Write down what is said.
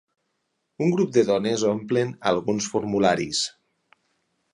Un grup de dones omplen alguns formularis.